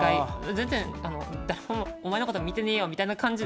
全然誰もお前のこと見てねえよみたいな感じで。